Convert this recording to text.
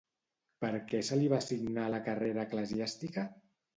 Per què se li va assignar la carrera eclesiàstica?